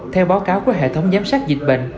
theo báo cáo của hệ thống giám sát dịch bệnh